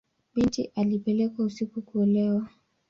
Binti alipelekwa usiku kuolewa.